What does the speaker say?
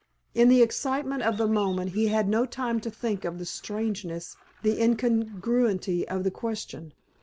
In the excitement of the moment he had no time to think of the strangeness, the incongruity of the question.